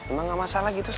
emang ga masalah gitu ya